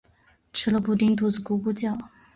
吃了布丁肚子咕噜叫